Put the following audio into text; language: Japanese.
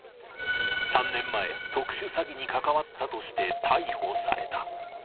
３年前、特殊詐欺に関わったとして逮捕された。